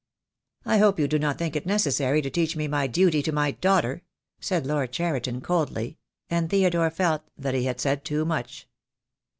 "I hope you do not think it necessary to teach me my duty to my daughter," said Lord Cheriton coldly; and Theodore felt that he had said too much.